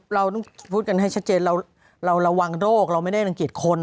เราต้องพูดกันให้ชัดเจนเราระวังโรคเราไม่ได้รังเกียจคน